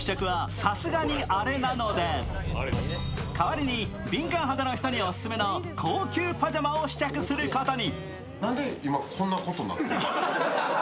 代わりに敏感肌の人にオススメの高級パジャマを試着することに。